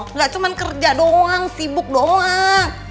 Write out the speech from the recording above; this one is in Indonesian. gak cuman kerja doang sibuk doang